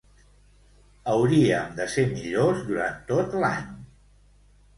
Hauriem de ser millors durant tot l'any.